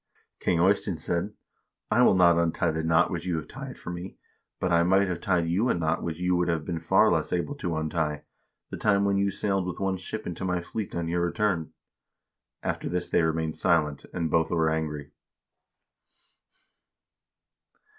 King Ey stein said: 'I will not untie the knot which you have tied for me, but I might have tied you a knot which you would have been far less able to untie, the time when you sailed with one ship into my fleet on your return.' After this they remained silent, and both were angry."